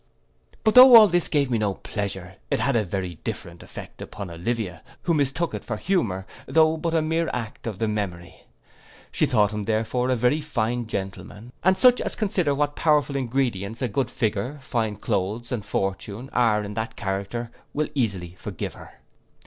But though all this gave me no pleasure, it had a very different effect upon Olivia, who mistook it for humour, though but a mere act of the memory. She thought him therefore a very fine gentleman; and such as consider what powerful ingredients a good figure, fine cloaths, and fortune, are in that character, will easily forgive her.